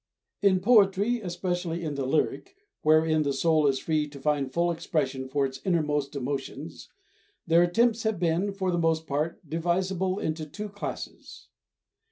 In poetry, especially in the lyric, wherein the soul is free to find full expression for its innermost emotions, their attempts have been, for the most part, divisible into two classes.